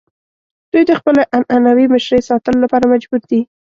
دوی د خپلې عنعنوي مشرۍ ساتلو لپاره مجبور دي.